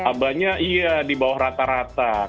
abanya iya di bawah rata rata